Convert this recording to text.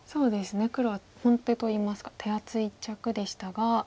黒は本手といいますか手厚い一着でしたが。